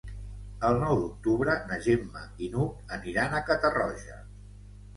El nou d'octubre na Gemma i n'Hug aniran a Catarroja.